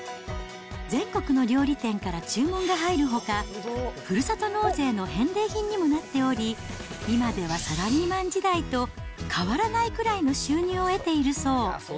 全国の料理店から注文が入るほか、ふるさと納税の返礼品にもなっており、今ではサラリーマン時代と変わらないくらいの収入を得ているそう